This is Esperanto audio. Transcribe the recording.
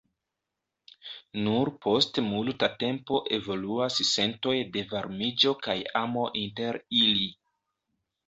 Nur post multa tempo evoluas sentoj de varmiĝo kaj amo inter ili.